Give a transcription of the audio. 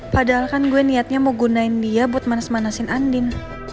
padahal kan gue niatnya mau gunain dia buat manas manasin andin